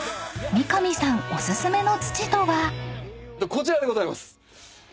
こちらでございます！